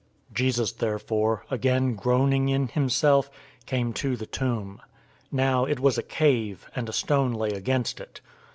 011:038 Jesus therefore, again groaning in himself, came to the tomb. Now it was a cave, and a stone lay against it.